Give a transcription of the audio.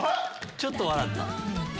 ちょっと笑った。